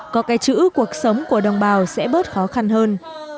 có cái chữ cuộc sống của đồng bào sẽ bớt khó khăn hơn